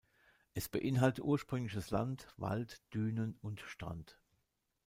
Es beinhaltet ursprüngliches Land, Wald, Dünen und Strand.